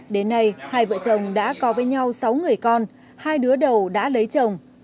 đến nay hai vợ chồng đã có với nhau sáu người con hai đứa đầu đã lấy chồng